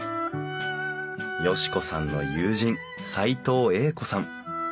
嘉子さんの友人斎藤栄子さん。